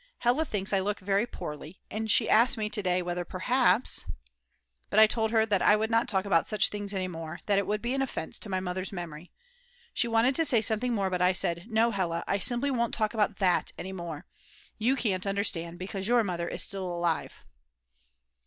Hella thinks I look very poorly, and she asked me to day whether perhaps ....?? But I told her that I would not talk about such things any more, that it would be an offence to my Mother's memory. She wanted to say something more, but I said: "No, Hella, I simply won't talk about that any more. You can't understand, because your mother is still alive."